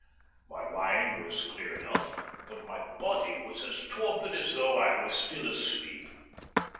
My mind was clear enough, but my body was as torpid as though I were still asleep.